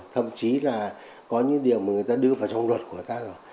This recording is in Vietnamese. thậm chí là có những điều mà người ta đưa vào trong luật của ta rồi